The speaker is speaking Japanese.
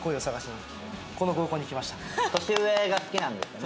年上が好きなんですよね？